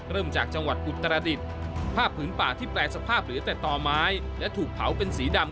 เริ่มจากจังหวัดอุตรดิษฐ์ภาพผืนป่าที่แปรสภาพเหลือแต่ต่อไม้และถูกเผาเป็นสีดำ